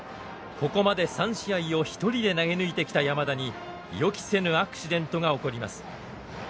ここまで３試合を一人で投げ抜いてきた山田に予期せぬアクシデントが起こります。